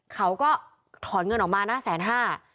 เขาก็ถอนเงินออกมานะ๑๕๐๐๐๐บาท